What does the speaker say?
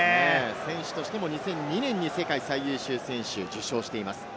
選手としても２００２年に世界最優秀選手を受賞しています。